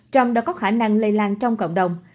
trong đó có khả năng lây lan trong cộng đồng